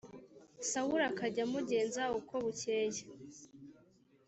Sawuli akajya amugenza uko bukeye